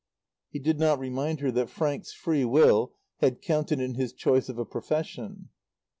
He did not remind her that Frank's free will had counted in his choice of a profession.